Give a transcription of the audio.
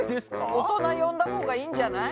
大人呼んだほうがいいんじゃない？